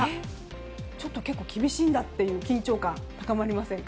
ちょっと結構厳しいんだという緊張感高まりませんか？